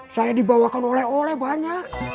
saya dibawakan oleh oleh banyak